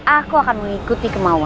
aku akan mengikuti kemauanmu